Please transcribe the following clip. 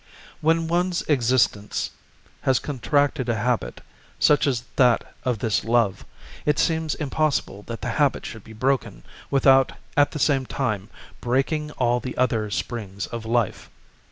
When one's existence has contracted a habit, such as that of this love, it seems impossible that the habit should be broken without at the same time breaking all the other springs of life.